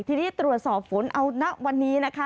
ทีนี้ตรวจสอบฝนเอาณวันนี้นะคะ